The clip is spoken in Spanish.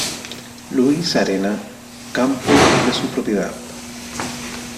Louis Arena, campo de su propiedad.